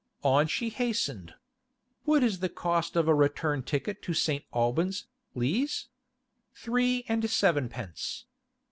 On she hastened. 'What is the cost of a return ticket to St. Albans, please?' Three and sevenpence.